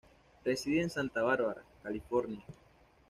Reside en Santa Barbara, California.